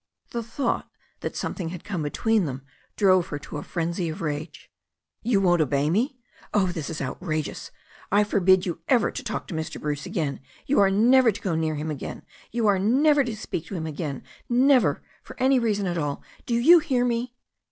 The thought that something had come between them drove her to a frenzy of rage. "You won't obey me! Oh, this is outrageous! I forbid you ever to talk to Mr. Bruce again. You are never to go near him again. You are never to speak to him ag^in, never for any reason at all. Do you hear me?"